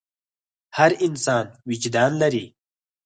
هر انسان وجدان لري.